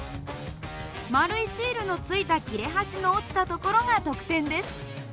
丸いシールのついた切れ端の落ちたところが得点です。